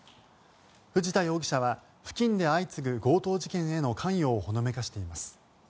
藤田容疑者は付近で相次ぐ強盗事件への関与をほのめかしています。